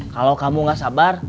kalau kamu gak sabar